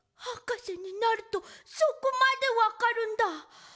はかせになるとそこまでわかるんだ。